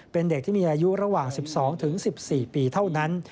เป็นเด็กที่มีอายุระหว่าง๑๒๑๔ปีเท่านั้น